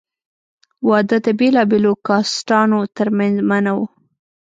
واده د بېلابېلو کاسټانو تر منځ منع وو.